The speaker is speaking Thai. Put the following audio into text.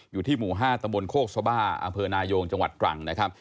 อยู่ที่หมู่๕ตมโคกซาบ้าอนายงจังหวัดกรังนะครับ